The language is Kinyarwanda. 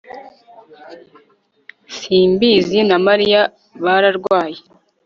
simbizi na mariya bararwaye